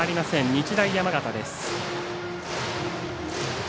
日大山形です。